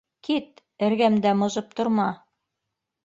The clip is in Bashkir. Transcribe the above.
— Кит, эргәмдә мыжып торма.